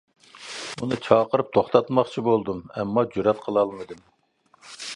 ئۇنى چاقىرىپ توختاتماقچى بولدۇم، ئەمما جۈرئەت قىلالمىدىم.